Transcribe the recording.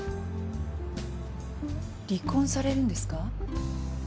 離婚されるんですか？